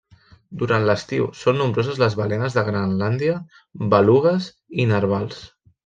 Durant l'estiu són nombroses les balenes de Grenlàndia, belugues i narvals.